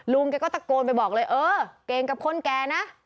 แกก็ตะโกนไปบอกเลยเออเก่งกับคนแก่นะ